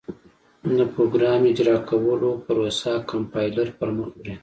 د پراګرام اجرا کولو پروسه کمپایلر پر مخ وړي.